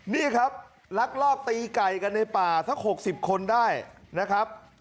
นี่ครับลักลอบตีไก่กันในป่าสัก๖๐คนได้นะครับ